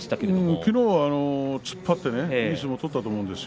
昨日は突っ張っていい相撲を取ったと思います。